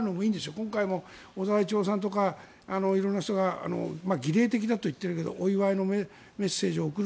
今回も小沢一郎さんとか色んな人が儀礼的と言っているけど色々なメッセージを送る。